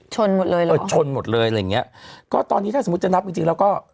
หมดเลยเหรอเออชนหมดเลยอะไรอย่างเงี้ยก็ตอนนี้ถ้าสมมุติจะนับจริงจริงแล้วก็